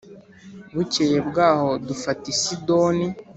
Bukeye bw’aho dufata i Sidoni